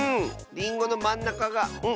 りんごのまんなかが「ん」